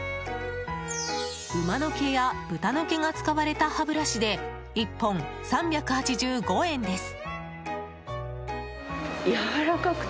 馬の毛や豚の毛が使われた歯ブラシで、１本３８５円です。